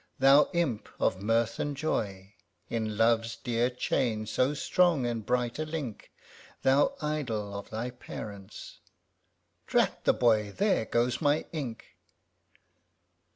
Thou imp of mirth and joy I In Love's dear chain so strong and bright a link, Thou idol of thy parents ŌĆö (Drat the boy ! There goes my ink